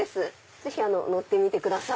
ぜひ乗ってみてください。